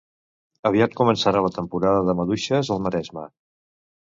Aviat començarà la temporada de maduixes al Maresme